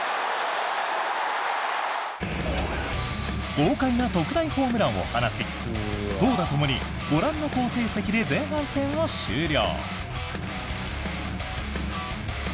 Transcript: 豪快な特大ホームランを放ち投打ともにご覧の好成績で前半戦を終了。